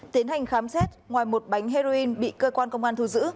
tiến hành khám xét ngoài một bánh heroin bị cơ quan công an thu giữ